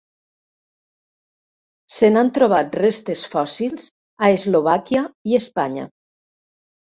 Se n'han trobat restes fòssils a Eslovàquia i Espanya.